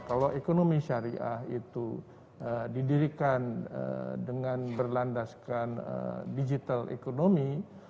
kalau ekonomi syariah itu didirikan dengan berlandaskan digital ekonomi